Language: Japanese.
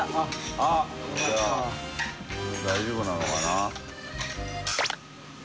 あっじゃあもう大丈夫なのかな？